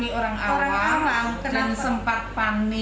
mohon maaf karena kami orang awam dan sempat panik